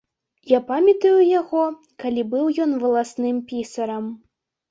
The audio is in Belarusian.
Я памятаю яго, калі быў ён валасным пісарам.